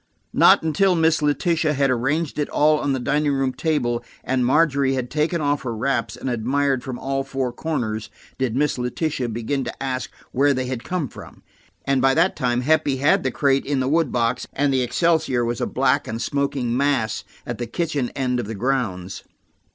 Not until Miss Letitia had arranged it all on the dining room table, and Margery had taken off her wraps and admired from all four corners, did Miss Letitia begin to ask where they had come from. And by that time Heppie had the crate in the wood box, and the excelsior was a black and smoking mass at the kitchen end of the grounds.